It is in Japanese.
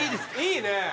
いいね。